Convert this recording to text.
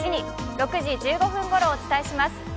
６時１５分ごろお伝えします。